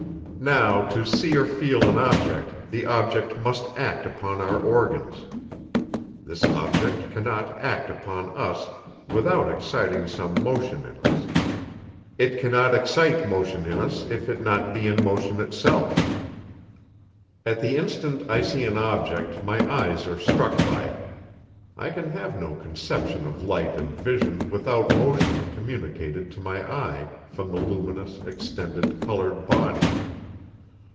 Now, to see or feel an object, the object must act upon our organs; this object cannot act upon us, without exciting some motion in us; it cannot excite motion in us, if it be not in motion itself. At the instant I see an object, my eyes are struck by it; I can have no conception of light and vision, without motion, communicated to my eye, from the luminous, extended, coloured body.